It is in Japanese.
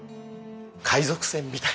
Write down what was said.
海賊船みたいな。